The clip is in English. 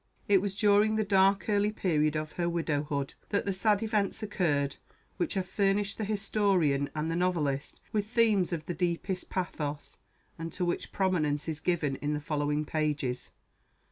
It was during the dark, early period of her widowhood that the sad events occurred which have furnished the historian and the novelist with themes of the deepest pathos, and to which prominence is given in the following pages.